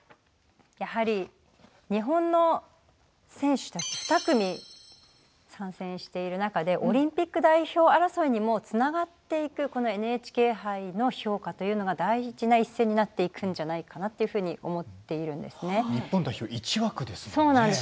やはり日本の選手たち２組参戦している中でオリンピック代表争いにもつながっていく、このＮＨＫ杯の評価というのが大事な一戦になっていくんじゃないかなと思っているんですね。